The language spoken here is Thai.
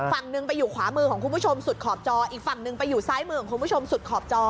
ฝั่งหนึ่งไปอยู่ขวามือของคุณผู้ชมสุดขอบจออีกฝั่งหนึ่งไปอยู่ซ้ายมือของคุณผู้ชมสุดขอบจอ